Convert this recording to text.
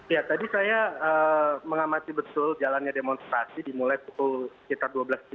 ya tadi saya mengamati betul jalannya demonstrasi dimulai pukul sekitar dua belas tiga puluh